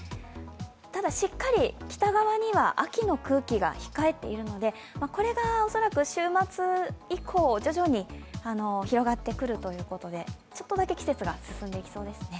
ただ、しっかり北側には秋の空気が控えているので、これが恐らく週末以降、徐々に、広がってくるということでちょっとだけ季節が進んでいきそうですね。